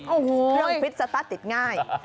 พรั่งพริกชะตาติดง่าย